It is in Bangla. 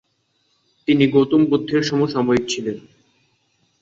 তিনি গৌতম বুদ্ধের সমসাময়িক ছিলেন।